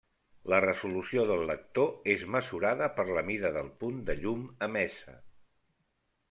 La resolució del lector és mesurada per la mida del punt de llum emesa.